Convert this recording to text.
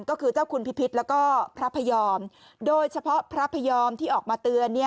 ก็คือเจ้าคุณพิพิษแล้วก็พระพยอมโดยเฉพาะพระพยอมที่ออกมาเตือน